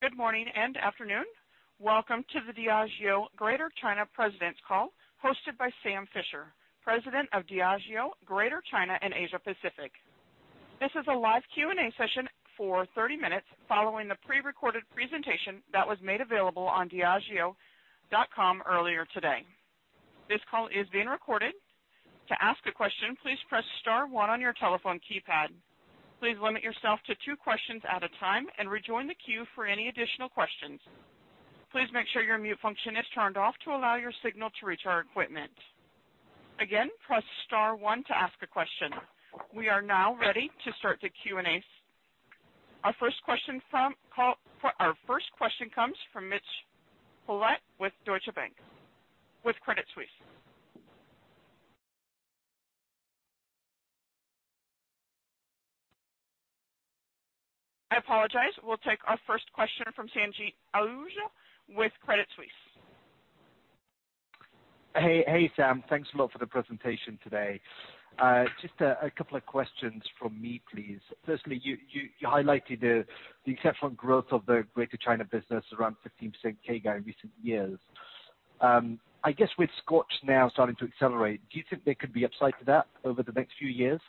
Good morning and afternoon. Welcome to the Diageo Greater China President's Call, hosted by Sam Fischer, President of Diageo Greater China and Asia Pacific. This is a live Q&A session for 30 minutes following the pre-recorded presentation that was made available on diageo.com earlier today. This call is being recorded. To ask a question, please press star one on your telephone keypad. Please limit yourself to two questions at a time and rejoin the queue for any additional questions. Please make sure your mute function is turned off to allow your signal to reach our equipment. Again, press star one to ask a question. We are now ready to start the Q&A. Our first question comes from Mitch Collett with Deutsche Bank, with Credit Suisse. I apologize. We'll take our first question from Sanjeet Aujla with Credit Suisse. Hey, Sam. Thanks a lot for the presentation today. Just a couple of questions from me, please. Firstly, you highlighted the exceptional growth of the Greater China business around 15% CAGR going recent years. I guess with Scotch now starting to accelerate, do you think there could be upside to that over the next few years?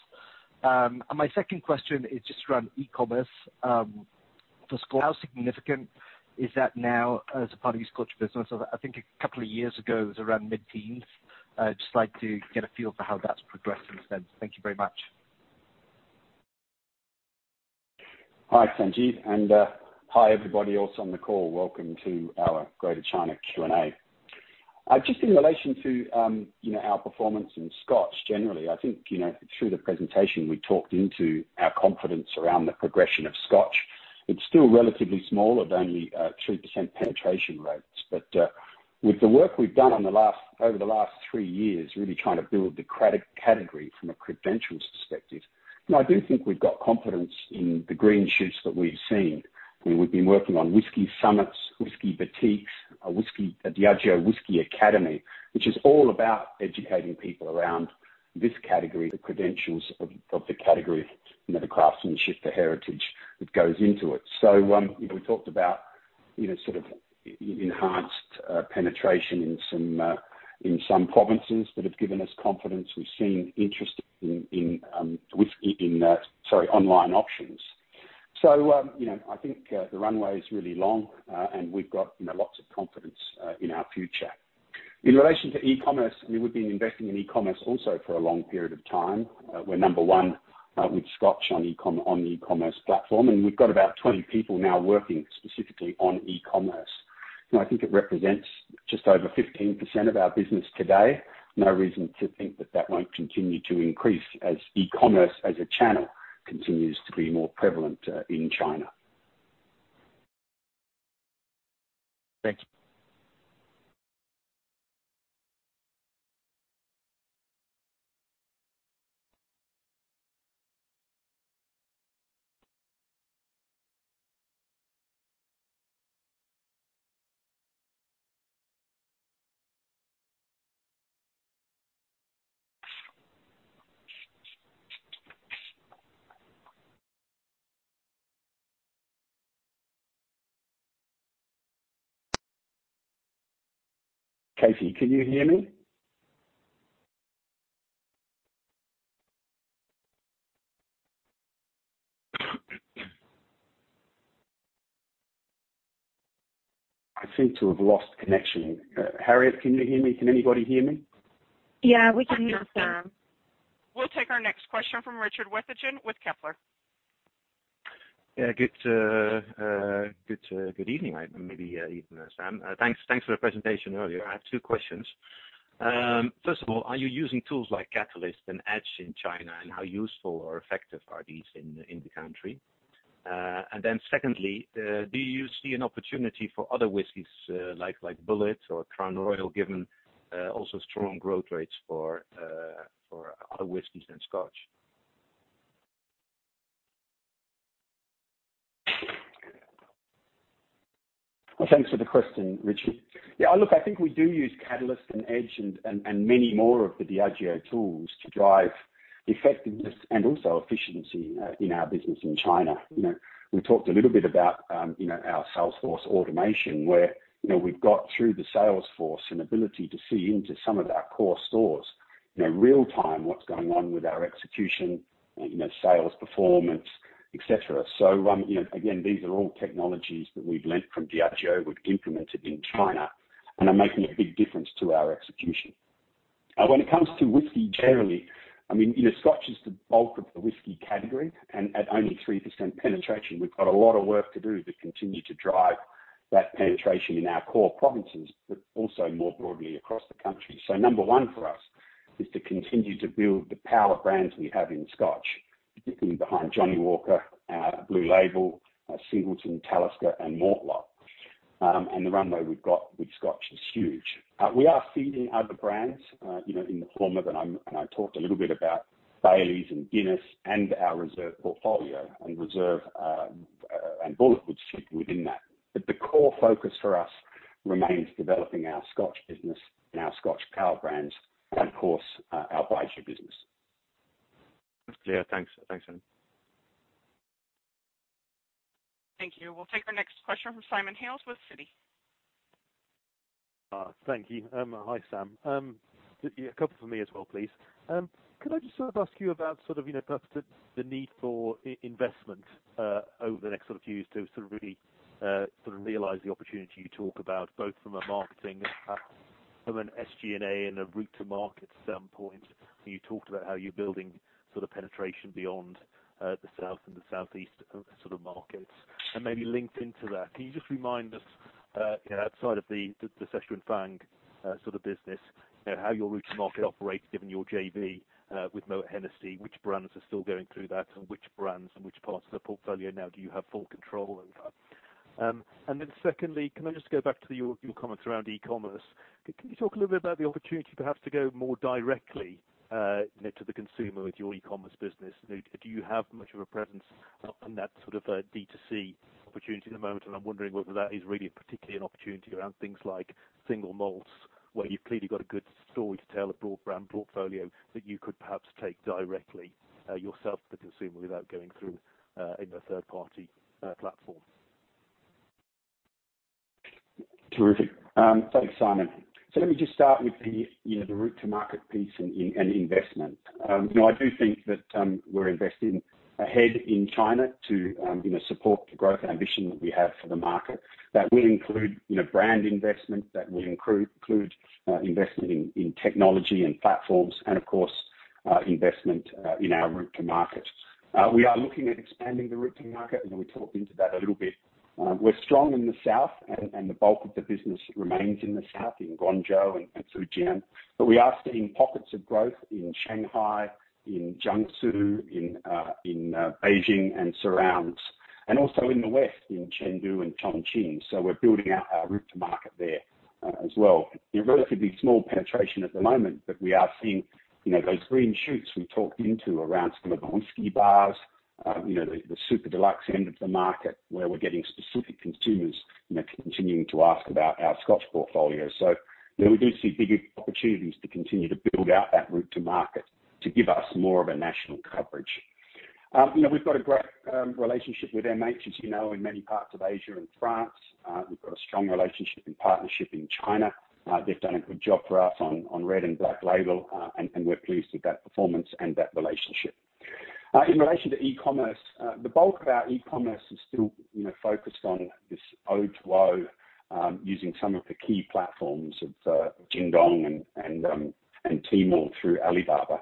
My second question is just around e-commerce. For Scotch, how significant is that now as a part of your Scotch business? I think a couple of years ago, it was around mid-teens. I'd just like to get a feel for how that's progressed since then. Thank you very much. Hi, Sanjeet, and hi everybody else on the call. Welcome to our Greater China Q&A. Just in relation to our performance in Scotch generally, I think through the presentation, we talked into our confidence around the progression of Scotch. It's still relatively small at only 3% penetration rates. But with the work we've done over the last three years, really trying to build the category from a credentials perspective. I do think we've got confidence in the green shoots that we've seen. We've been working on whiskey summits, whiskey boutiques, a Diageo Whisky Academy, which is all about educating people around this category, the credentials of the category, the craftsmanship, the heritage that goes into it. We talked about enhanced penetration in some provinces that have given us confidence. We've seen interest in online options. I think the runway is really long, and we've got lots of confidence in our future. In relation to e-commerce, we would be investing in e-commerce also for a long period of time. We're number one with Scotch on the e-commerce platform, and we've got about 20 people now working specifically on e-commerce. I think it represents just over 15% of our business today. No reason to think that that won't continue to increase as e-commerce as a channel continues to be more prevalent in China. Thank you. Casey, can you hear me? I seem to have lost connection. Harriet, can you hear me? Can anybody hear me? Yeah, we can hear you, Sam. We'll take our next question from Richard Withagen with Kepler. Good evening, Sam. Thanks for the presentation earlier. I have two questions. Are you using tools like Catalyst and EDGE in China, how useful or effective are these in the country? Secondly, do you see an opportunity for other whiskeys like Bulleit or Crown Royal given also strong growth rates for other whiskeys than Scotch? Thanks for the question, Richard. We do use Catalyst and EDGE and many more of the Diageo tools to drive effectiveness and also efficiency in our business in China. We talked a little bit about our Salesforce automation, where we've got through the sales force an ability to see into some of our core stores real-time what's going on with our execution, sales performance, et cetera. Again, these are all technologies that we've learned from Diageo, we've implemented in China, and are making a big difference to our execution. When it comes to whiskey generally, Scotch is the bulk of the whiskey category, and at only 3% penetration. We've got a lot of work to do to continue to drive that penetration in our core provinces, but also more broadly across the country. Number one for us is to continue to build the power brands we have in Scotch, behind Johnnie Walker, Blue Label, Singleton, Talisker and Mortlach. The runway we've got with Scotch is huge. We are seeing other brands in the format, and I talked a little bit about Baileys and Guinness and our Reserve portfolio and Bulleit would sit within that. The core focus for us remains developing our Scotch business and our Scotch power brands, and of course, our Baijiu business. Yeah, thanks. Thanks, Sam. Thank you. We'll take our next question from Simon Hales with Citi. Thank you. Hi, Sam. A couple from me as well, please. Could I just ask you about the need for investment over the next few years to really realize the opportunity you talk about, both from a marketing, from an SG&A and a route to market standpoint? You talked about how you're building penetration beyond the South and the Southeast markets. Maybe linked into that, can you just remind us, outside of the Shui Jing Fang business, how your route to market operates, given your JV with Moët Hennessy? Which brands are still going through that, and which brands and which parts of the portfolio now do you have full control over? Secondly, can I just go back to your comments around e-commerce. Can you talk a little bit about the opportunity, perhaps to go more directly to the consumer with your e-commerce business? Do you have much of a presence in that D2C opportunity at the moment? I'm wondering whether that is really particularly an opportunity around things like single malts, where you've clearly got a good story to tell, a broad brand portfolio that you could perhaps take directly yourself to the consumer without going through a third-party platform. Terrific. Thanks, Simon. Let me just start with the route to market piece and investment. I do think that we're investing ahead in China to support the growth ambition that we have for the market. That will include brand investment, that will include investment in technology and platforms, and of course, investment in our route to market. We are looking at expanding the route to market, and we talked into that a little bit. We're strong in the South and the bulk of the business remains in the South, in Guangzhou and Zhejiang. We are seeing pockets of growth in Shanghai, in Jiangsu, in Beijing and surrounds, and also in the West in Chengdu and Chongqing. We're building out our route to market there as well. A relatively small penetration at the moment, but we are seeing those green shoots we talked into around some of the whisky bars, the super deluxe end of the market where we're getting specific consumers continuing to ask about our Scotch portfolio. We do see big opportunities to continue to build out that route to market to give us more of a national coverage. We've got a great relationship with MH, as you know, in many parts of Asia and France. We've got a strong relationship and partnership in China. They've done a good job for us on Red and Black Label, and we're pleased with that performance and that relationship. In relation to e-commerce, the bulk of our e-commerce is still focused on this O2O, using some of the key platforms of Jingdong and Tmall through Alibaba.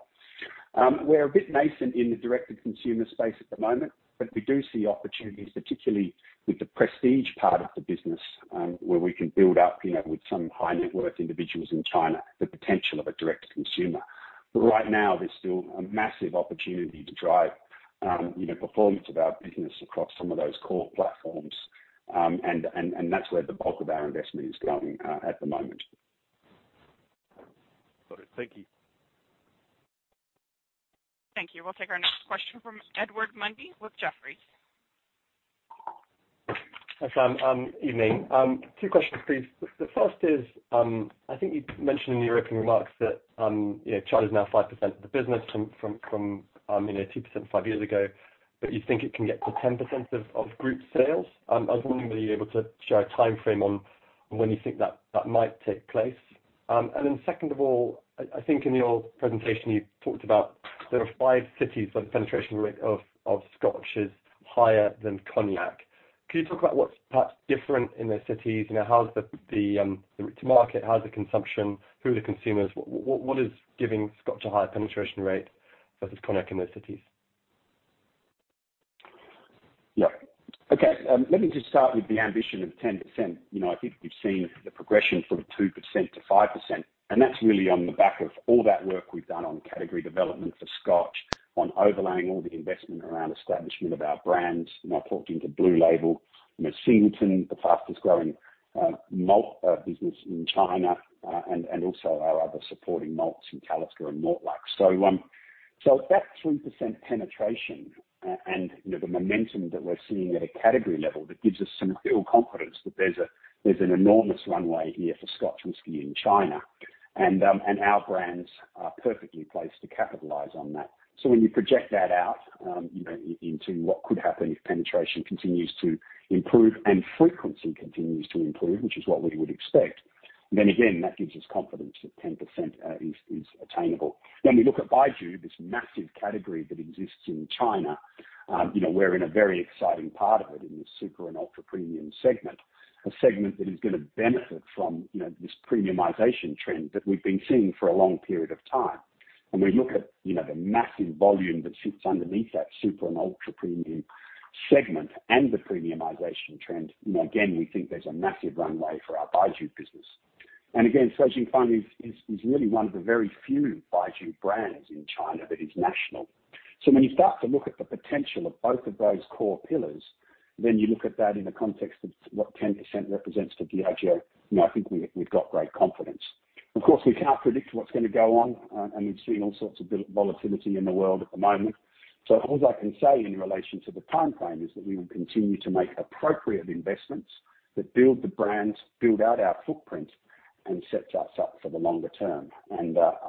We're a bit nascent in the direct-to-consumer space at the moment, but we do see opportunities, particularly with the prestige part of the business, where we can build up with some high-net-worth individuals in China, the potential of a direct-to-consumer. Right now, there's still a massive opportunity to drive performance of our business across some of those core platforms, and that's where the bulk of our investment is going at the moment. Got it. Thank you. Thank you. We'll take our next question from Edward Mundy with Jefferies. Hi, Sam. Evening. Two questions, please. The first is, I think you mentioned in your opening remarks that China is now 5% of the business from 2% five years ago, but you think it can get to 10% of group sales. I was wondering, were you able to share a timeframe on when you think that might take place? Second of all, I think in your presentation you talked about there are five cities that penetration rate of Scotch is higher than cognac. Can you talk about what's perhaps different in those cities? How's the route to market? How's the consumption? Who are the consumers? What is giving Scotch a higher penetration rate versus cognac in those cities? Yeah. Okay. Let me just start with the ambition of 10%. That's really on the back of all that work we've done on category development for Scotch, on overlaying all the investment around establishment of our brands. I talked into Blue Label, Singleton, the fastest growing malt business in China, and also our other supporting malts in Talisker and Mortlach. That 3% penetration and the momentum that we're seeing at a category level, that gives us some real confidence that there's an enormous runway here for Scotch whisky in China. Our brands are perfectly placed to capitalize on that. When you project that out into what could happen if penetration continues to improve and frequency continues to improve, which is what we would expect, again, that gives us confidence that 10% is attainable. We look at Baijiu, this massive category that exists in China. We're in a very exciting part of it in the super and ultra-premium segment, a segment that is going to benefit from this premiumization trend that we've been seeing for a long period of time. When we look at the massive volume that sits underneath that super and ultra-premium segment and the premiumization trend, again, we think there's a massive runway for our Baijiu business. Again, Shui Jing Fang is really one of the very few Baijiu brands in China that is national. When you start to look at the potential of both of those core pillars, then you look at that in the context of what 10% represents for Diageo, I think we've got great confidence. Of course, we can't predict what's going to go on, and we've seen all sorts of volatility in the world at the moment. All I can say in relation to the timeframe is that we will continue to make appropriate investments that build the brands, build out our footprint, and set us up for the longer term. When that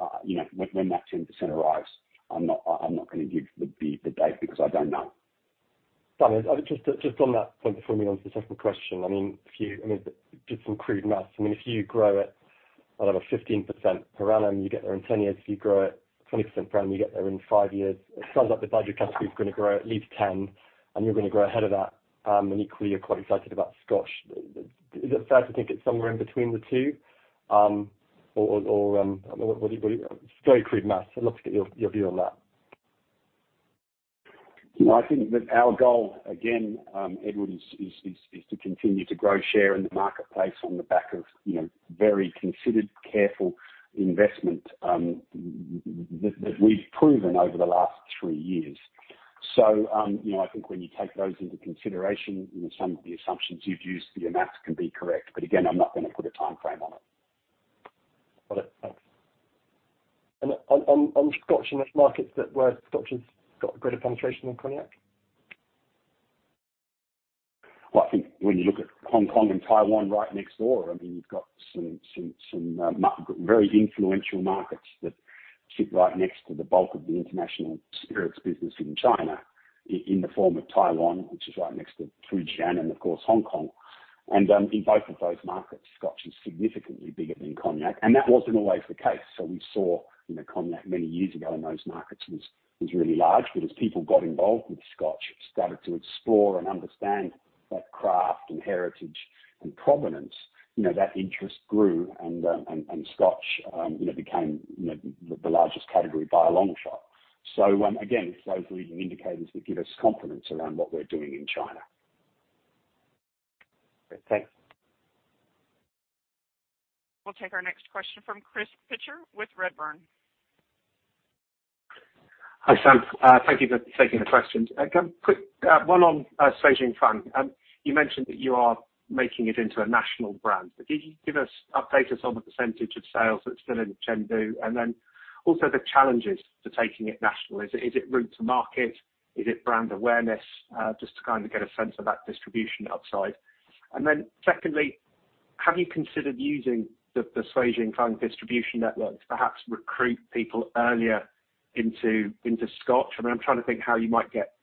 10% arrives, I'm not going to give the date because I don't know. Sam, just on that point before we move on to the second question. Just some crude maths. If you grow at, I don't know, 15% per annum, you get there in 10 years. If you grow at 20% per annum, you get there in five years. It sounds like the baijiu category is going to grow at least 10%, and you're going to grow ahead of that. Equally, you're quite excited about Scotch. Is it fair to think it's somewhere in between the two? Very crude maths. I'd love to get your view on that. I think that our goal, again, Edward, is to continue to grow share in the marketplace on the back of very considered, careful investment that we've proven over the last three years. I think when you take those into consideration, some of the assumptions you've used for your math can be correct. Again, I'm not going to put a timeframe on it. Got it. Thanks. On Scotch and those markets that where Scotch has got greater penetration than cognac? Well, I think when you look at Hong Kong and Taiwan right next door, you've got some very influential markets that sit right next to the bulk of the international spirits business in China in the form of Taiwan, which is right next to Fujian and, of course, Hong Kong. In both of those markets, Scotch is significantly bigger than cognac, and that wasn't always the case. We saw cognac many years ago in those markets was really large, but as people got involved with Scotch, started to explore and understand that craft and heritage and provenance, that interest grew and Scotch became the largest category by a long shot. Again, those are even indicators that give us confidence around what we're doing in China. Great. Thanks. We'll take our next question from Chris Pitcher with Redburn. Hi, Sam. Thank you for taking the questions. Again, quick, one on Shui Jing Fang. You mentioned that you are making it into a national brand. Could you give us updates on the percentage of sales that's still in Chengdu? Also the challenges to taking it national. Is it route to market? Is it brand awareness? Just to kind of get a sense of that distribution upside. Secondly, have you considered using the Shui Jing Fang distribution network to perhaps recruit people earlier into Scotch? I'm trying to think how you might get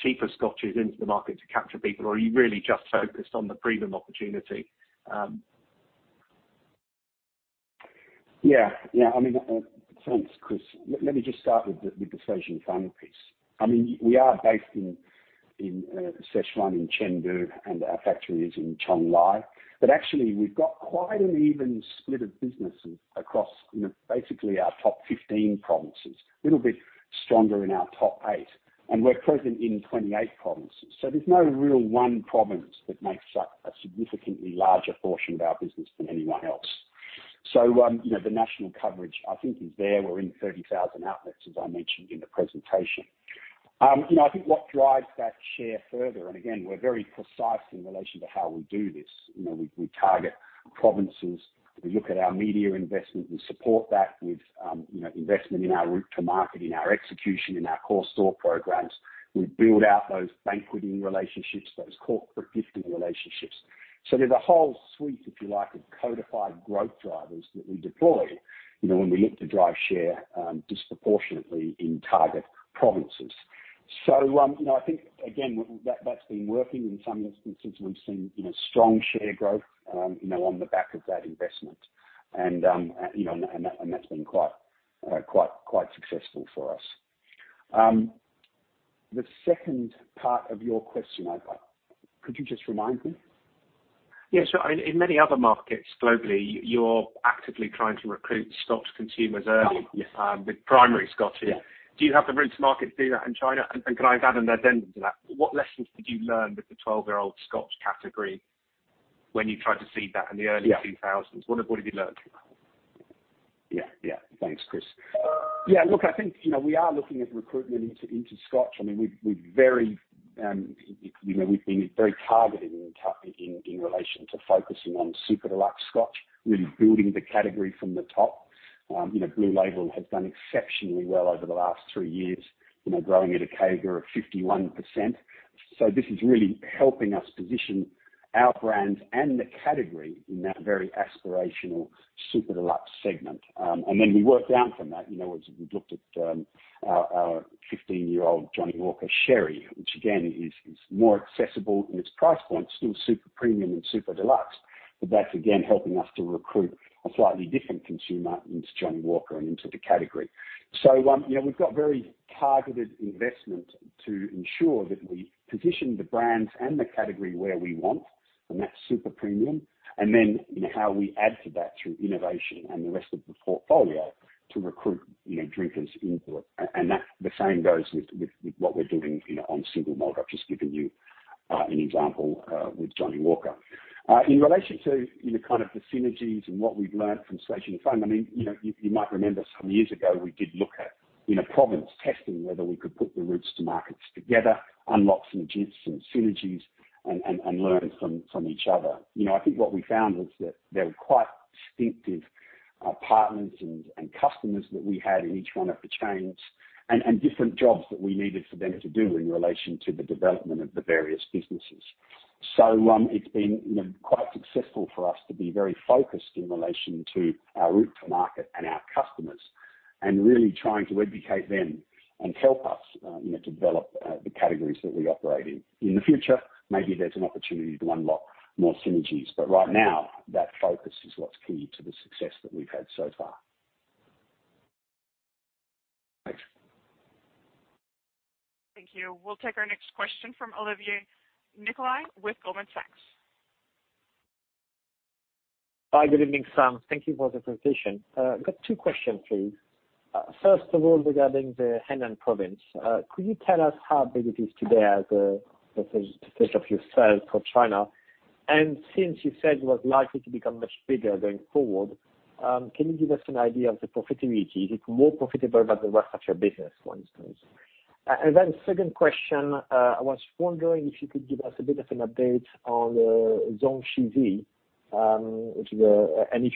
cheaper Scotches into the market to capture people, or are you really just focused on the premium opportunity? Thanks, Chris. Let me just start with the Shui Jing Fang piece. We are based in Sichuan in Chengdu and our factory is in Chengdu. Actually, we've got quite an even split of business across basically our top 15 provinces, little bit stronger in our top eight, and we're present in 28 provinces. There's no real one province that makes up a significantly larger portion of our business than anyone else. The national coverage I think is there. We're in 30,000 outlets, as I mentioned in the presentation. I think what drives that share further, and again, we're very precise in relation to how we do this. We target provinces. We look at our media investment. We support that with investment in our route to market, in our execution, in our core store programs. We build out those banqueting relationships, those corporate gifting relationships. There's a whole suite, if you like, of codified growth drivers that we deploy when we look to drive share disproportionately in target provinces. I think, again, that's been working in some instances. We've seen strong share growth on the back of that investment. That's been quite successful for us. The second part of your question, could you just remind me? Yeah, sure. In many other markets globally, you're actively trying to recruit Scotch consumers early- Yes With primary Scotch. Yeah. Do you have the route to market to do that in China? Can I add an addendum to that? What lessons did you learn with the 12-year-old Scotch category when you tried to seed that in the early 2000s? Yeah. What have you learned? Yeah. Thanks, Chris. Yeah, look, I think, we are looking at recruitment into Scotch. We've been very targeted in relation to focusing on super deluxe Scotch, really building the category from the top. Blue Label has done exceptionally well over the last 3 years, growing at a CAGR of 51%. This is really helping us position our brands and the category in that very aspirational, super deluxe segment. Then we work down from that, as we've looked at our 15-year-old Johnnie Walker Sherry, which again, is more accessible in its price point, still super premium and super deluxe. That's again, helping us to recruit a slightly different consumer into Johnnie Walker and into the category. We've got very targeted investment to ensure that we position the brands and the category where we want, and that's super premium. Then how we add to that through innovation and the rest of the portfolio to recruit drinkers into it. The same goes with what we're doing on single malt. I've just given you an example with Johnnie Walker. In relation to the synergies and what we've learned from Shui Jing Fang, you might remember some years ago, we did look at province testing, whether we could put the routes to markets together, unlock some synergies and learn from each other. I think what we found was that there were quite distinctive partners and customers that we had in each one of the chains, and different jobs that we needed for them to do in relation to the development of the various businesses. It's been quite successful for us to be very focused in relation to our route to market and our customers, really trying to educate them and help us to develop the categories that we operate in. In the future, maybe there's an opportunity to unlock more synergies, right now, that focus is what's key to the success that we've had so far. Thanks. Thank you. We'll take our next question from Olivier Nicolai with Goldman Sachs. Hi. Good evening, Sam. Thank you for the presentation. I've got two questions for you. First of all, regarding the Hainan province, could you tell us how big it is today as a % of your sales for China? Since you said it was likely to become much bigger going forward, can you give us an idea of the profitability? Is it more profitable than the rest of your business, for instance? Second question, I was wondering if you could give us a bit of an update on Zhong Shi Ji, and if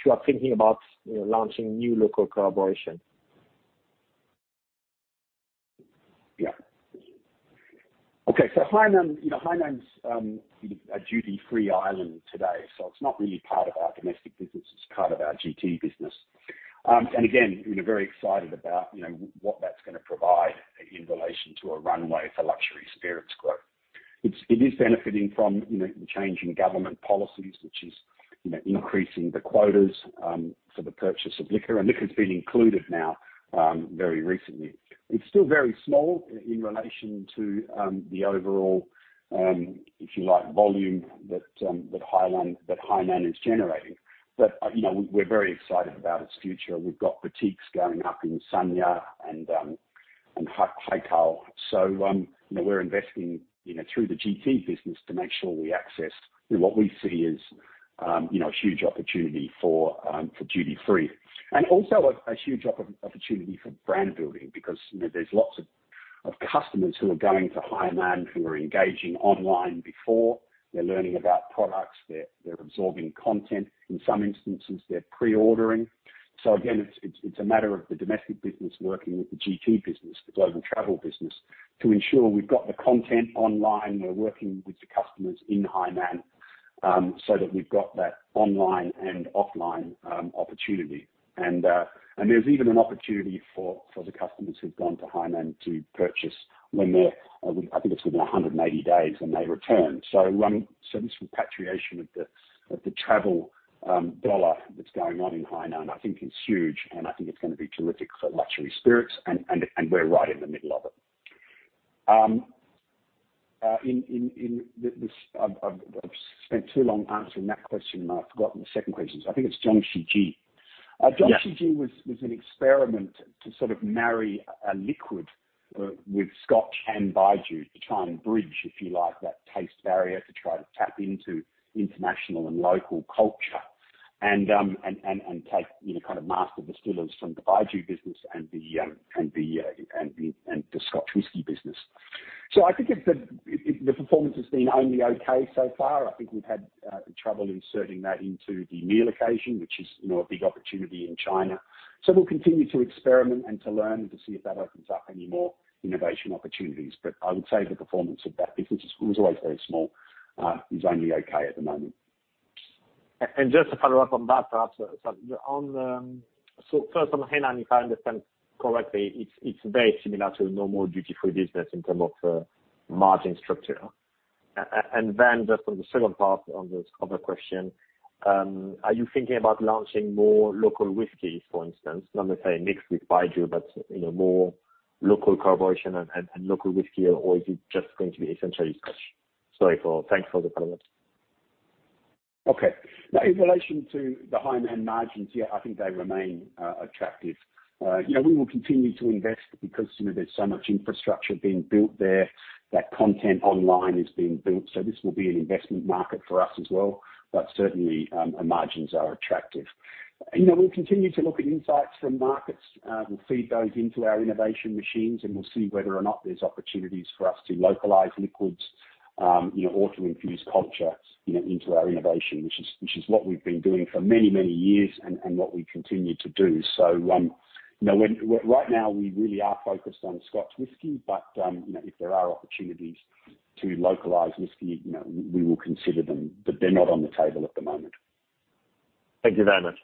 you are thinking about launching new local collaboration. Okay. Hainan is a duty-free island today. It's not really part of our domestic business, it's part of our GT business. Again, we're very excited about what that's going to provide in relation to a runway for luxury spirits growth. It is benefiting from the change in government policies, which is increasing the quotas for the purchase of liquor, and liquor has been included now very recently. It's still very small in relation to the overall, if you like, volume that Hainan is generating. We're very excited about its future. We've got boutiques going up in Sanya and Haikou. We're investing through the GT business to make sure we access what we see as a huge opportunity for duty-free. Also a huge opportunity for brand building, because there's lots of customers who are going to Hainan who are engaging online before, they're learning about products, they're absorbing content. In some instances, they're pre-ordering. Again, it's a matter of the domestic business working with the GT business, the global travel business, to ensure we've got the content online. We're working with the customers in Hainan, so that we've got that online and offline opportunity. There's even an opportunity for the customers who've gone to Hainan to purchase when they're, I think it's within 180 days when they return. This repatriation of the travel dollar that's going on in Hainan, I think is huge, and I think it's going to be terrific for luxury spirits, and we're right in the middle of it. I've spent too long answering that question, and I've forgotten the second question. I think it's Zhong Shi Ji. Yeah. Zhong Shi Ji was an experiment to sort of marry a liquid with Scotch and baijiu to try and bridge, if you like, that taste barrier, to try to tap into international and local culture, and take master distillers from the baijiu business and the Scotch whisky business. I think the performance has been only okay so far. I think we've had trouble inserting that into the meal occasion, which is a big opportunity in China. We'll continue to experiment and to learn, to see if that opens up any more innovation opportunities. I would say the performance of that business, it was always very small. It's only okay at the moment. Just to follow up on that, perhaps. First on Hainan, if I understand correctly, it's very similar to a normal duty-free business in term of margin structure. Then just on the second part on the other question, are you thinking about launching more local whiskey, for instance? Not necessarily mixed with baijiu, but more local collaboration and local whiskey, or is it just going to be essentially Scotch? Thanks for the comments. In relation to the Hainan margins, I think they remain attractive. We will continue to invest because there's so much infrastructure being built there. Content online is being built, this will be an investment market for us as well. Certainly, our margins are attractive. We'll continue to look at insights from markets. We'll feed those into our innovation machines, we'll see whether or not there's opportunities for us to localize liquids, or to infuse culture into our innovation, which is what we've been doing for many, many years and what we continue to do. Right now, we really are focused on Scotch whisky, if there are opportunities to localize whisky, we will consider them, they're not on the table at the moment. Thank you very much.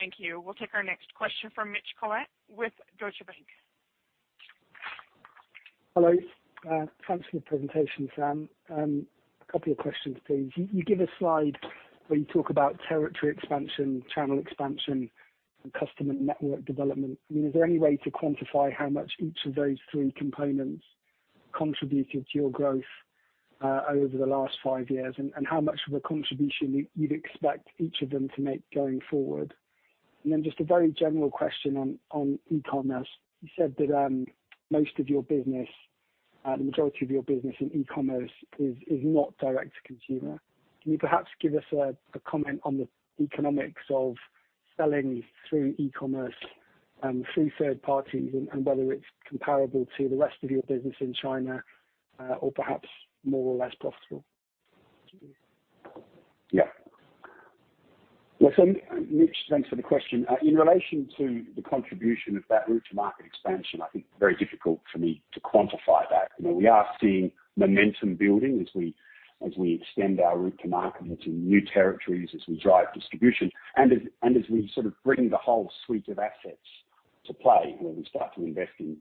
Thank you. We'll take our next question from Mitch Collett with Deutsche Bank. Hello. Thanks for the presentation, Sam. A couple of questions, please. You give a slide where you talk about territory expansion, channel expansion, and customer network development. Is there any way to quantify how much each of those three components contributed to your growth over the last five years, and how much of a contribution you'd expect each of them to make going forward? Just a very general question on e-commerce. You said that most of your business, the majority of your business in e-commerce is not direct to consumer. Can you perhaps give us a comment on the economics of selling through e-commerce through third parties, and whether it's comparable to the rest of your business in China? Perhaps more or less profitable? Yeah. Mitch, thanks for the question. In relation to the contribution of that route to market expansion, I think very difficult for me to quantify that. We are seeing momentum building as we extend our route to market into new territories, as we drive distribution, and as we bring the whole suite of assets to play. Where we start to invest in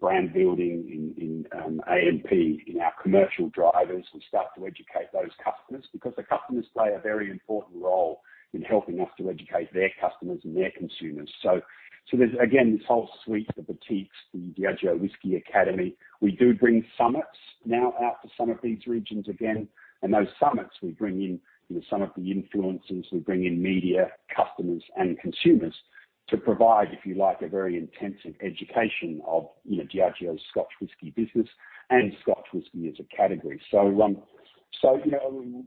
brand building, in A&P, in our commercial drivers. We start to educate those customers because the customers play a very important role in helping us to educate their customers and their consumers. There's, again, this whole suite, the boutiques, the Diageo Whisky Academy. We do bring summits now out to some of these regions again. Those summits we bring in some of the influencers, we bring in media, customers and consumers to provide, if you like, a very intensive education of Diageo Scotch whisky business and Scotch whisky as a category.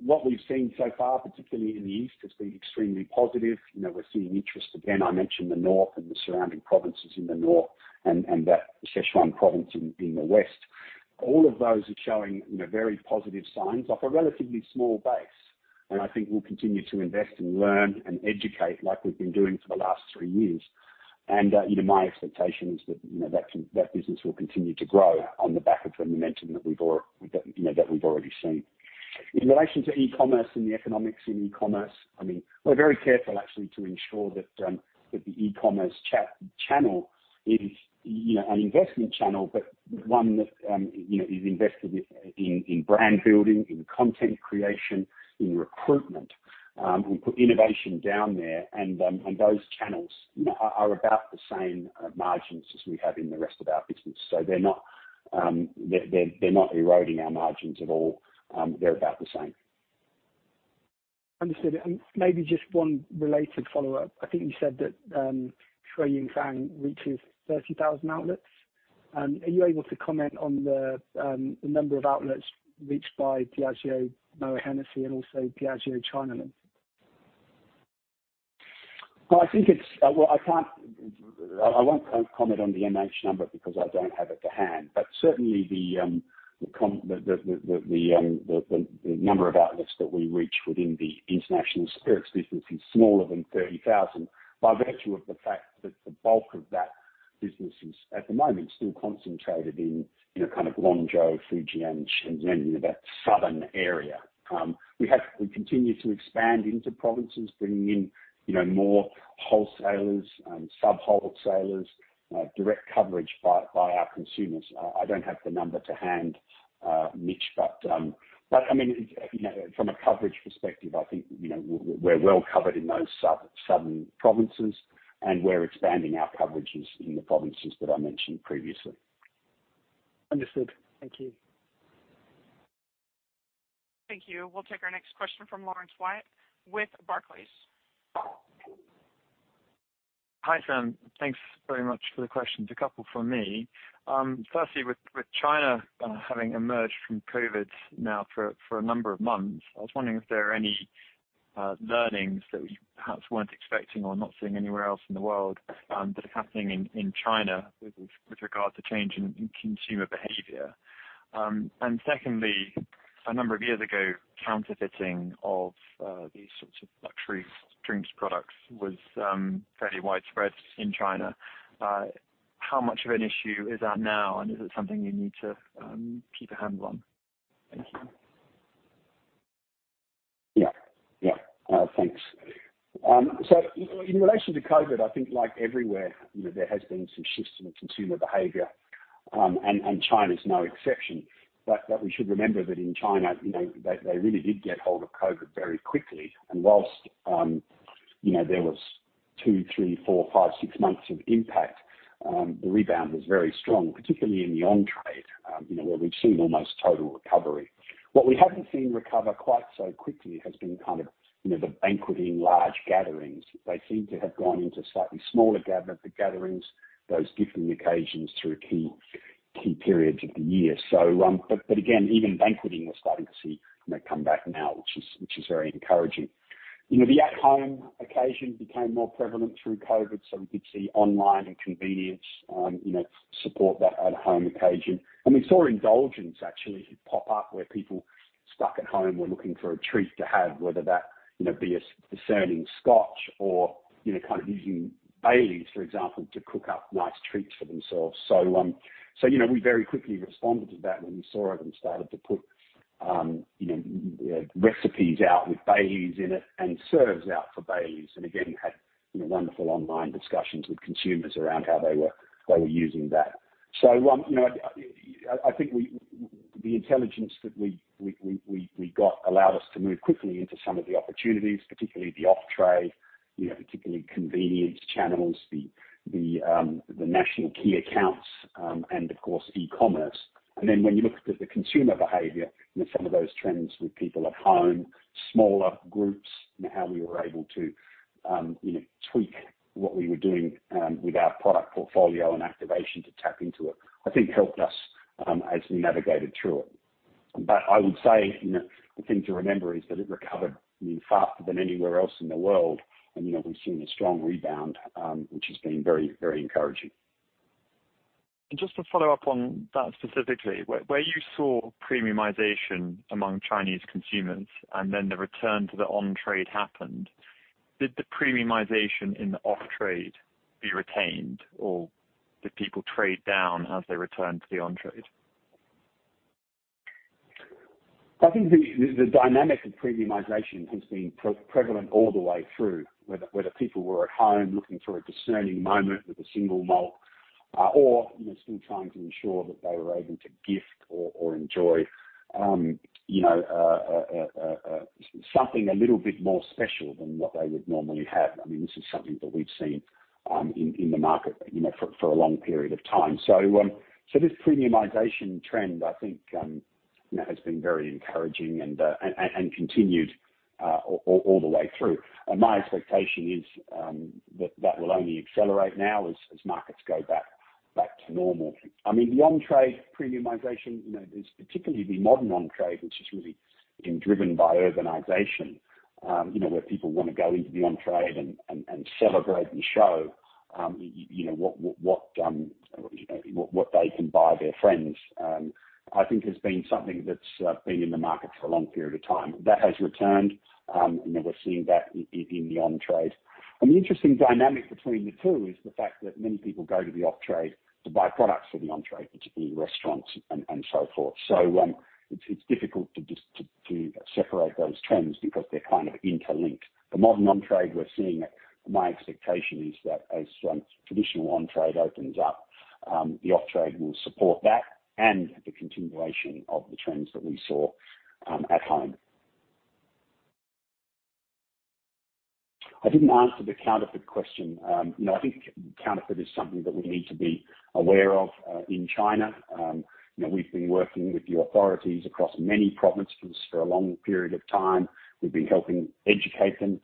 What we've seen so far, particularly in the East, has been extremely positive. We're seeing interest again, I mentioned the North and the surrounding provinces in the North and that Sichuan province in the West. All of those are showing very positive signs off a relatively small base. I think we'll continue to invest and learn and educate like we've been doing for the last three years. My expectation is that business will continue to grow on the back of the momentum that we've already seen. In relation to e-commerce and the economics in e-commerce, we're very careful actually to ensure that the e-commerce channel is an investment channel, but one that is invested in brand building, in content creation, in recruitment. We put innovation down there and those channels are about the same margins as we have in the rest of our business. They're not eroding our margins at all. They're about the same. Understood. Maybe just one related follow-up. I think you said that Shui Jing Fang reaches 30,000 outlets. Are you able to comment on the number of outlets reached by Moët Hennessy Diageo and also Diageo China? I won't comment on the MH number because I don't have it to hand. Certainly the number of outlets that we reach within the international spirits business is smaller than 30,000 by virtue of the fact that the bulk of that business is, at the moment, still concentrated in Guangzhou, Fujian, Shenzhen, that southern area. We continue to expand into provinces, bringing in more wholesalers and sub-wholesalers, direct coverage by our consumers. I don't have the number to hand, Mitch, but from a coverage perspective, I think we're well covered in those southern provinces and we're expanding our coverages in the provinces that I mentioned previously. Understood. Thank you. Thank you. We'll take our next question from Laurence Whyatt with Barclays. Hi, Sam. Thanks very much for the questions. A couple from me. Firstly, with China having emerged from COVID now for a number of months, I was wondering if there are any learnings that you perhaps weren't expecting or not seeing anywhere else in the world that are happening in China with regard to change in consumer behavior. Secondly, a number of years ago, counterfeiting of these sorts of luxury drinks products was fairly widespread in China. How much of an issue is that now, and is it something you need to keep a handle on? Thank you. Yeah. Thanks. In relation to COVID, I think like everywhere, there has been some shifts in consumer behavior, and China is no exception. We should remember that in China, they really did get hold of COVID very quickly. Whilst there was two, three, four, five, six months of impact, the rebound was very strong, particularly in the on-trade, where we've seen almost total recovery. What we haven't seen recover quite so quickly has been the banqueting, large gatherings. They seem to have gone into slightly smaller gatherings, those different occasions through key periods of the year. Again, even banqueting, we're starting to see come back now, which is very encouraging. The at-home occasion became more prevalent through COVID, we did see online and convenience support that at-home occasion. We saw indulgence actually pop up where people stuck at home were looking for a treat to have, whether that be a discerning Scotch or using Baileys, for example, to cook up nice treats for themselves. We very quickly responded to that when we saw it and started to put recipes out with Baileys in it and serves out for Baileys, and again, had wonderful online discussions with consumers around how they were using that. I think the intelligence that we got allowed us to move quickly into some of the opportunities, particularly the off-trade, particularly convenience channels, the national key accounts, and of course, e-commerce. When you looked at the consumer behavior and some of those trends with people at home, smaller groups and how we were able to tweak what we were doing with our product portfolio and activation to tap into it, I think helped us as we navigated through it. I would say the thing to remember is that it recovered faster than anywhere else in the world. We've seen a strong rebound, which has been very encouraging. Just to follow up on that specifically, where you saw premiumization among Chinese consumers and then the return to the on-trade happened, did the premiumization in the off-trade be retained, or did people trade down as they returned to the on-trade? I think the dynamic of premiumization has been prevalent all the way through, whether people were at home looking for a discerning moment with a single malt or still trying to ensure that they were able to gift or enjoy something a little bit more special than what they would normally have. This is something that we've seen in the market for a long period of time. This premiumization trend, I think has been very encouraging and continued all the way through. My expectation is that that will only accelerate now as markets go back to normal. The on-trade premiumization, particularly the modern on-trade, which has really been driven by urbanization, where people want to go into the on-trade and celebrate and show what they can buy their friends, I think has been something that's been in the market for a long period of time. That has returned, we're seeing that in the on-trade. An interesting dynamic between the two is the fact that many people go to the off-trade to buy products for the on-trade, particularly restaurants and so forth. It's difficult to separate those trends because they're kind of interlinked. The modern on-trade we're seeing, my expectation is that as traditional on-trade opens up, the off-trade will support that and the continuation of the trends that we saw at home. I didn't answer the counterfeit question. I think counterfeit is something that we need to be aware of in China. We've been working with the authorities across many provinces for a long period of time. We've been helping educate them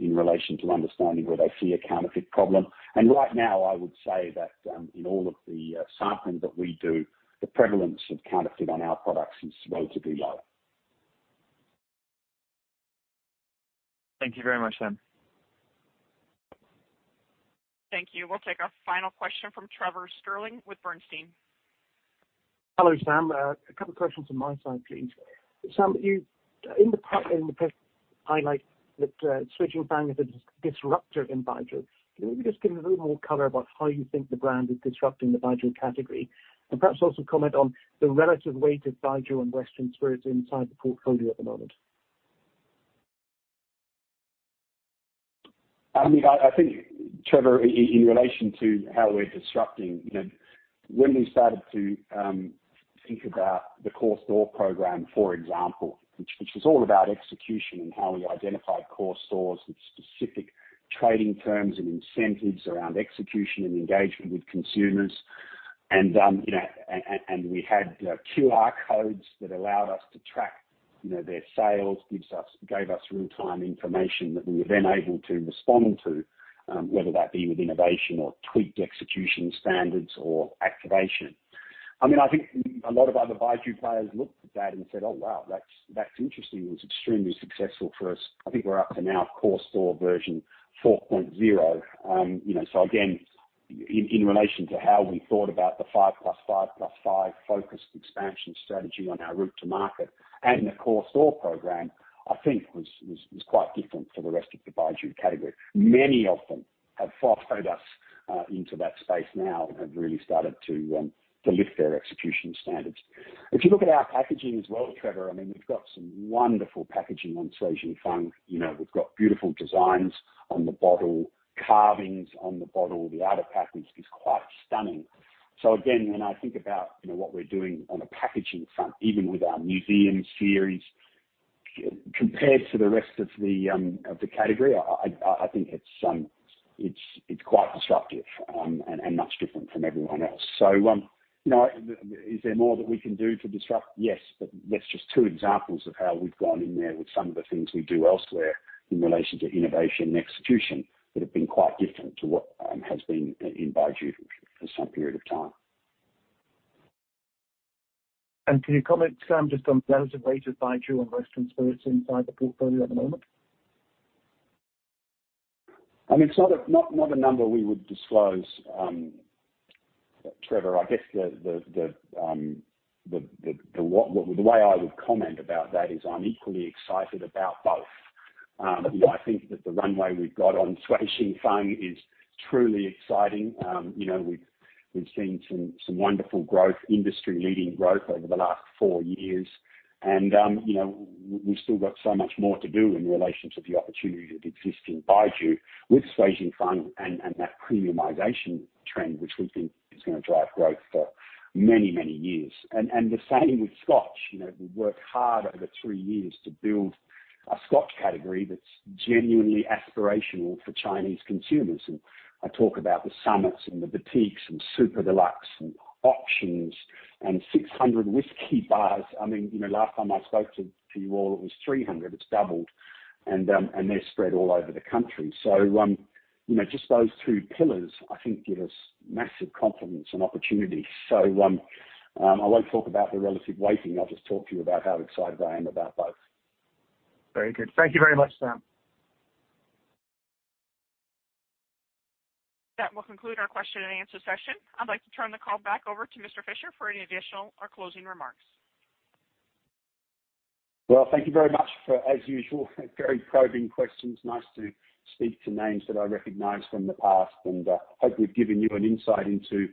in relation to understanding where they see a counterfeit problem. Right now, I would say that in all of the sampling that we do, the prevalence of counterfeit on our products is relatively low. Thank you very much, Sam. Thank you. We'll take our final question from Trevor Stirling with Bernstein. Hello, Sam. A couple questions on my side, please. Sam, in the highlight that Shui Jing Fang is a disruptor in Baijiu, can you maybe just give a little more color about how you think the brand is disrupting the baijiu category? Perhaps also comment on the relative weight of Baijiu and Western Spirits inside the portfolio at the moment. I think, Trevor, in relation to how we're disrupting, when we started to think about the core store program, for example, which was all about execution and how we identified core stores and specific trading terms and incentives around execution and engagement with consumers. We had QR codes that allowed us to track their sales, gave us real-time information that we were then able to respond to, whether that be with innovation or tweaked execution standards or activation. I think a lot of other Baijiu players looked at that and said, "Oh, wow, that's interesting." It was extremely successful for us. I think we're up to now core store version 4.0. In relation to how we thought about the five plus five plus five focused expansion strategy on our route to market and the core store program, I think was quite different to the rest of the baijiu category. Many of them have followed us into that space now and have really started to lift their execution standards. If you look at our packaging as well, Trevor, we've got some wonderful packaging on Shui Jing Fang. We've got beautiful designs on the bottle, carvings on the bottle. The outer package is quite stunning. When I think about what we're doing on a packaging front, even with our museum series, compared to the rest of the category, I think it's quite disruptive and much different from everyone else. Is there more that we can do to disrupt? Yes, that's just two examples of how we've gone in there with some of the things we do elsewhere in relation to innovation and execution that have been quite different to what has been in Baijiu for some period of time. Can you comment, Sam, just on relative weight of Baijiu and Western Spirits inside the portfolio at the moment? It's not a number we would disclose, Trevor. I guess the way I would comment about that is I'm equally excited about both. I think that the runway we've got on Shui Jing Fang is truly exciting. We've seen some wonderful growth, industry-leading growth over the last four years. We've still got so much more to do in relation to the opportunities that exist in Baijiu with Shui Jing Fang and that premiumization trend, which we think is going to drive growth for many, many years. The same with Scotch. We've worked hard over three years to build a Scotch category that's genuinely aspirational for Chinese consumers. I talk about the summits and the boutiques and super deluxe and auctions and 600 whisky bars. Last time I spoke to you all, it was 300. It's doubled. They're spread all over the country. Just those two pillars, I think give us massive confidence and opportunity. I won't talk about the relative weighting. I'll just talk to you about how excited I am about both. Very good. Thank you very much, Sam. That will conclude our question and answer session. I'd like to turn the call back over to Mr. Fischer for any additional or closing remarks. Well, thank you very much for, as usual, very probing questions. Nice to speak to names that I recognize from the past, and I hope we've given you an insight into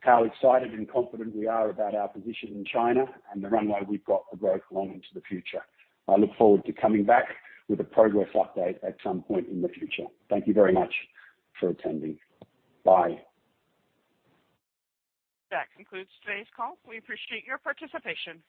how excited and confident we are about our position in China and the runway we've got for growth along into the future. I look forward to coming back with a progress update at some point in the future. Thank you very much for attending. Bye. That concludes today's call. We appreciate your participation.